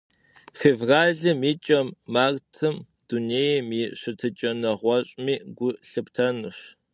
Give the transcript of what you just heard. Fêvralım yi ç'em, martım dunêym yi şıtıç'e neğueş'mi gu lhıptenuş.